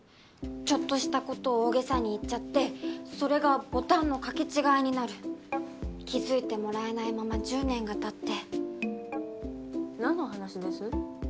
ちょっとしたことを大げさに言っちゃってそれがボタンの掛け違いになる気づいてもらえないまま１０年がたってなんの話です？